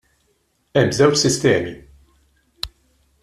Hemm żewġ sistemi.